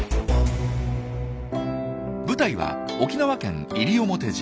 舞台は沖縄県西表島。